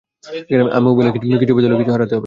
আম্মি বলে, কিছু পেতে হলে কিছু হারাতে হবে।